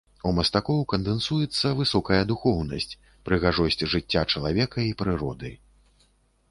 У мастакоў кандэнсуецца высокая духоўнасць, прыгажосць жыцця чалавека і прыроды.